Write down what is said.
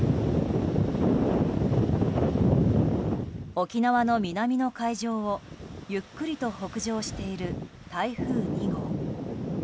沖縄の南の海上をゆっくりと北上している台風２号。